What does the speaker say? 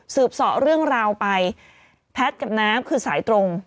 ส่อเรื่องราวไปแพทย์กับน้ำคือสายตรง